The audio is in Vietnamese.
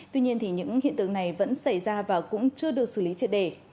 tuy nhiên những hiện tượng này vẫn xảy ra và cũng chưa được xử lý triệt đề